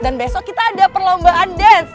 dan besok kita ada perlombaan dance